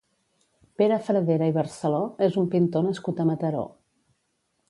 Pere Fradera i Barceló és un pintor nascut a Mataró.